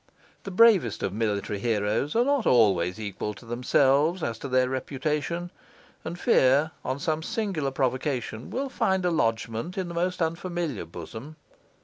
The bravest of military heroes are not always equal to themselves as to their reputation; and fear, on some singular provocation, will find a lodgment in the most unfamiliar bosom.